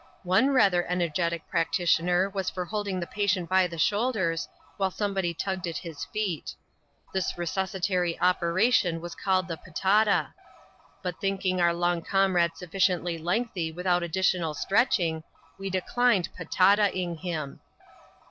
One rather energetic practitioner was for holding the patient by the shoulders, while somebody tugged at his feet This resuscitatory operation was called the "Potata;" but thinking our long comrade sufficiently lengthy without additional stretching, we declined potataing him.